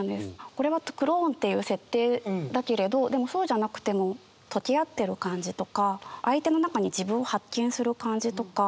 これはクローンっていう設定だけれどでもそうじゃなくても溶け合ってる感じとか相手の中に自分を発見する感じとか。